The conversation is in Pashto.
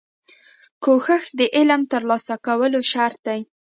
کوښښ د علم ترلاسه کولو شرط دی.